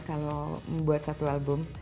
kalau membuat satu album